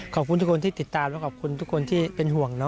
ขอบคุณทุกคนที่ติดตามและขอบคุณทุกคนที่เป็นห่วง